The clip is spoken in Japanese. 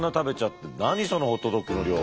何そのホットドッグの量。